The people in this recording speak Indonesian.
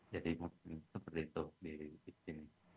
jadi mungkin seperti itu di sini